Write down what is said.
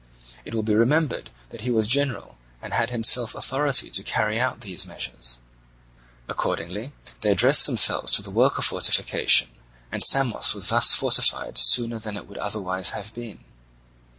It will be remembered that he was general, and had himself authority to carry out these measures. Accordingly they addressed themselves to the work of fortification, and Samos was thus fortified sooner than it would otherwise have been.